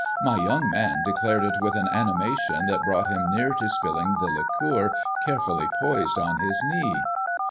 My young man declared it with an animation that brought him near to spilling the liqueur carefully poised on his knee.